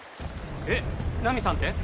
えっナミさんって？